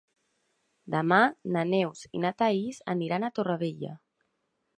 Demà na Neus i na Thaís aniran a Torrevella.